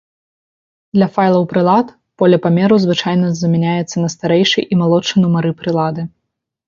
Для файлаў прылад, поле памеру звычайна замяняецца на старэйшы і малодшы нумары прылады.